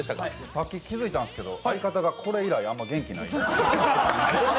さっき気付いたんですけど、相方がこれいらい元気がない。